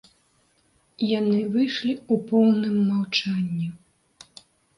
Яны выйшлі ў поўным маўчанні.